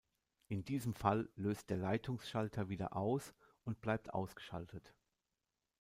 In diesem Fall löst der Leistungsschalter wieder aus und bleibt ausgeschaltet.